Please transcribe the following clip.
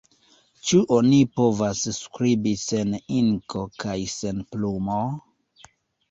Ĉu oni povas skribi sen inko kaj sen plumo?